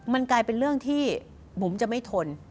มันกลายเป็นเรื่องที่บุ๋มจะไม่ทน